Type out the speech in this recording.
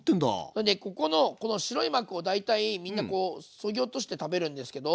それでここのこの白い膜を大体みんなこうそぎ落として食べるんですけど。